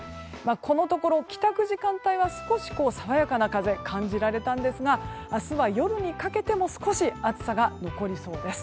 このところ帰宅時間帯は少し爽やかな風を感じられたんですが明日は、夜にかけても少し暑さが残りそうです。